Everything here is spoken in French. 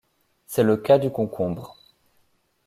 C'est le cas du concombre.